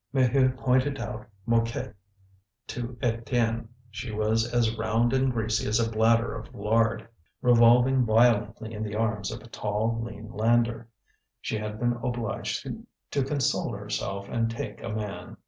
Maheu pointed out Mouquette to Étienne: she was as round and greasy as a bladder of lard, revolving violently in the arms of a tall, lean lander. She had been obliged to console herself and take a man.